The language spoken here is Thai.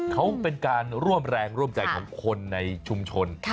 เขาเป็นการร่วมแรงร่วมใจของคนในชุมชน